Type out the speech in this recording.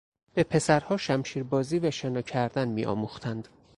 به پسرها شمشیربازی و شنا کردن میآموختند.